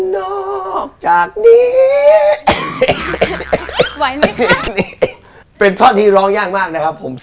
นอกจากนี้ไหวไหมเพลงนี้เป็นท่อนที่ร้องยากมากนะครับผม